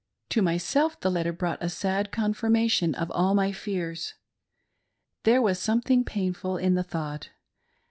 To myself the letter brought a sad confirmation of all my fears. There was something painful in the thought.